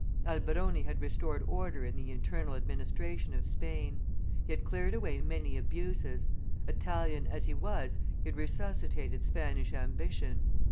Alberoni had restored order in the internal administration of Spain; he had cleared away many abuses; Italian as he was, he had resuscitated Spanish ambition.